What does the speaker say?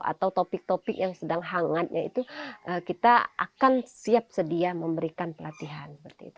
atau topik topik yang sedang hangatnya itu kita akan siap sedia memberikan pelatihan